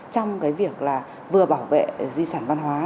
trong việc vừa bảo vệ di sản văn hóa